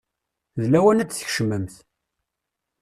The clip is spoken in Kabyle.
D lawan ad tkecmemt.